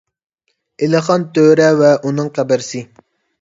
ئېلىخان تۆرە ۋە ئۇنىڭ قەبرىسى